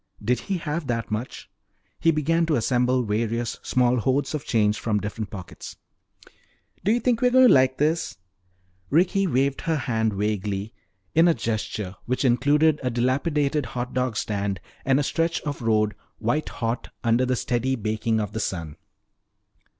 Did he have that much? He began to assemble various small hoards of change from different pockets. "Do you think we're going to like this?" Ricky waved her hand vaguely in a gesture which included a dilapidated hot dog stand and a stretch of road white hot under the steady baking of the sun.